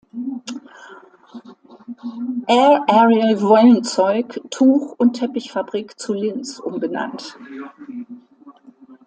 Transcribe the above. Aerarial-Wollenzeug-, Tuch- und Teppichfabrik zu Linz“ umbenannt.